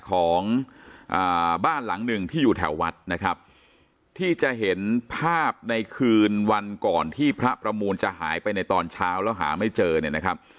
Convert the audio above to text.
ของบ้านหลังหนึ่งที่อยู่แถววัดนะครับที่จะเห็นภาพในคืนวันก่อนที่พระประมูลจะหายไปในตอนเช้าแล้วหาไม่เจอเนี่ยนะครับ